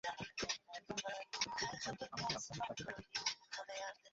গফুর ভাই, আমাকে আর্সলানের সাথে দেখা করতে হবে।